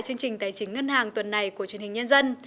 chương trình tài chính ngân hàng tuần này của truyền hình nhân dân